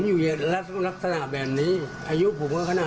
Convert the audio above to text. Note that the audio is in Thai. โอ้ยพูดดีมันไม่ถูกครับ